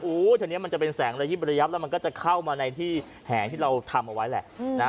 แถวนี้มันจะเป็นแสงระยิบระยับแล้วมันก็จะเข้ามาในที่แหงที่เราทำเอาไว้แหละนะ